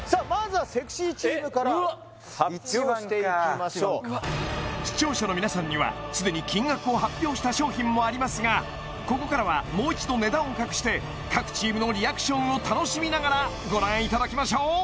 まずはうわっ１番か視聴者の皆さんにはすでに金額を発表した商品もありますがここからはもう一度値段を隠して各チームのリアクションを楽しみながらご覧いただきましょう